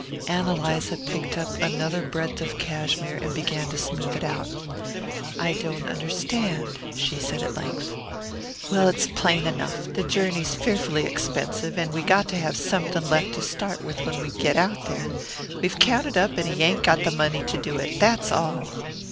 Ann Eliza picked up another breadth of cashmere and began to smooth it out. "I don't understand," she said at length. "Well, it's plain enough. The journey's fearfully expensive, and we've got to have something left to start with when we get out there. We've counted up, and he ain't got the money to do it that's all."